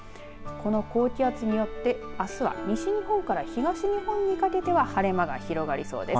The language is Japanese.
この高気圧によってあすは西日本から東日本にかけては晴れ間が広がりそうです。